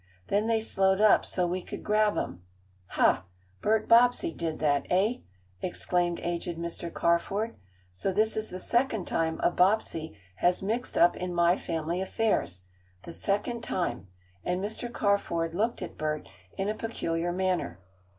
Then they slowed up so we could grab 'em." "Ha! Bert Bobbsey did that, eh?" exclaimed aged Mr. Carford. "So this is the second time a Bobbsey has mixed up in my family affairs. The second time," and Mr. Carford looked at Bert in a peculiar manner.